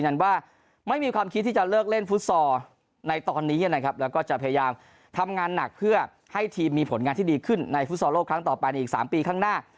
ในฟุตซอลโลกครั้งต่อไปในอีก๓ปีข้างหน้า